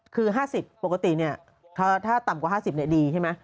คือ๕๐ปกติถ้าต่ำกว่า๕๐ดีใช่ไหม